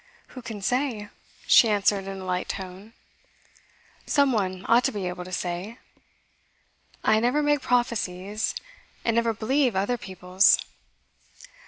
'Who can say?' she answered in a light tone. 'Some one ought to be able to say.' 'I never make prophecies, and never believe other people's.